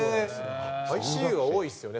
ＩＣＵは多いですよね